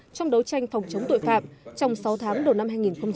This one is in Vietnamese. trong đấu tranh phòng chống tội phạm trong sáu tháng đầu năm hai nghìn hai mươi